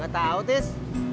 gak tau tis